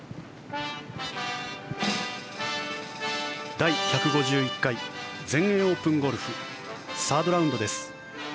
第１５１回全英オープンゴルフサードラウンドです。